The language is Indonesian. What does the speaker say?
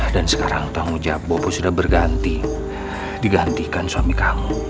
dan sekarang tangguh jab boko sudah berganti digantikan suami kamu